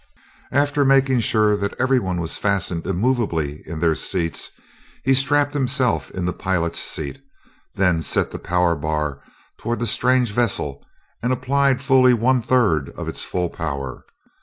After making sure that everyone was fastened immovably in their seats he strapped himself in the pilot's seat, then set the bar toward the strange vessel and applied fully one third of its full power.